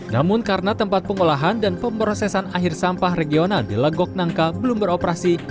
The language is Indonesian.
namun karena tempat pengolahan dan pemrosesan akhir sampah regional di legok nangka belum beroperasi